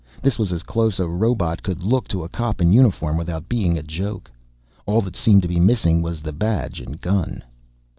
This was as close as a robot could look to a cop in uniform, without being a joke. All that seemed to be missing was the badge and gun.